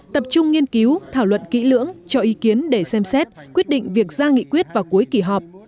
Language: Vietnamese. tập trung nghiên cứu thảo luận kỹ lưỡng cho ý kiến để xem xét quyết định việc ra nghị quyết vào cuối kỳ họp